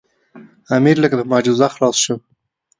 امیر لکه په معجزه خلاص شو.